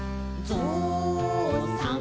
ぞうさん